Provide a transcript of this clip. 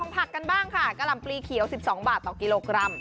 ผักกันบ้างค่ะกะหล่ำปลีเขียว๑๒บาทต่อกิโลกรัม